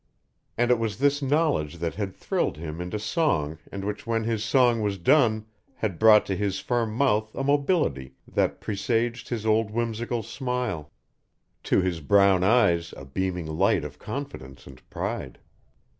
And it was this knowledge that had thrilled him into song and which when his song was done had brought to his firm mouth a mobility that presaged his old whimsical smile to his brown eyes a beaming light of confidence and pride.